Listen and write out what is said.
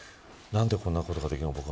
なんでこんなことができるか